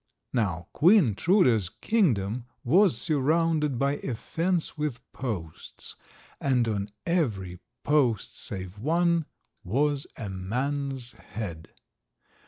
Now Queen Truda's kingdom was surrounded by a fence with posts, and on every post, save one, was a man's head.